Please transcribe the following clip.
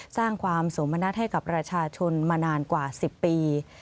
สร้างความสมณัฐให้กับประชาชนมานานกว่า๑๐ปี